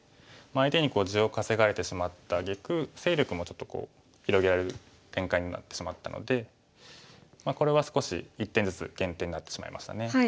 相手に地を稼がれてしまったあげく勢力もちょっとこう広げられる展開になってしまったのでこれは少し１点ずつ減点になってしまいましたね。